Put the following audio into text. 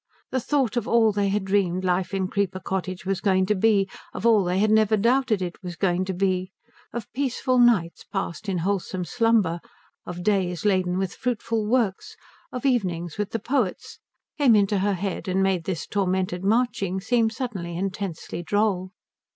The thought of all they had dreamed life in Creeper Cottage was going to be, of all they had never doubted it was going to be, of peaceful nights passed in wholesome slumber, of days laden with fruitful works, of evenings with the poets, came into her head and made this tormented marching suddenly seem intensely droll.